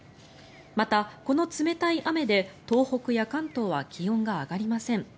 また、この冷たい雨で東北や関東は気温が上がりません。